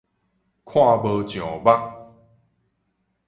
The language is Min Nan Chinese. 看無上目